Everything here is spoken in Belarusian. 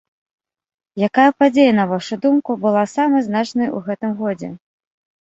Якая падзея, на вашу думку, была самай значнай у гэтым годзе?